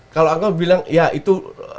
kalau aku bilang ya itu